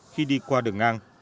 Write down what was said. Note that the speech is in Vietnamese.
khi đi qua đường ngang